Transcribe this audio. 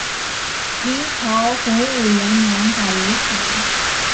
明朝洪武元年改为府。